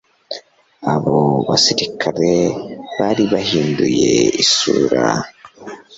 Abo basirikare bari bahinduye isura.